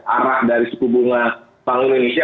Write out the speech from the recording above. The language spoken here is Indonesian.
arah dari suku bunga bank indonesia